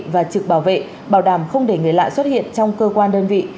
và trực bảo vệ bảo đảm không để người lạ xuất hiện trong cơ quan đơn vị